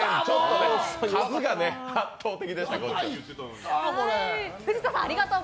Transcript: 数が圧倒的でしたからね。